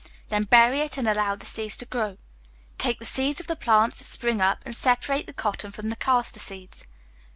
Then bury it, and allow the seeds to grow. Take the seeds of the plants that spring up, and separate the cotton from the castor seeds.